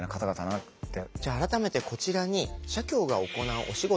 じゃあ改めてこちらに社協が行うお仕事